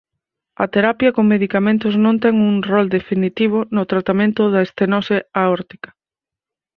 A terapia con medicamentos non ten un rol definitivo no tratamento da estenose aórtica.